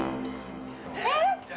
えっ！